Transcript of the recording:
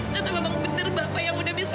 nggak tahu memang benar bapak yang mudah bisa